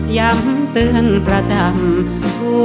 ย้ำเตือนประจำ